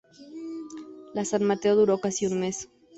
La San Mateo duró casi un mes.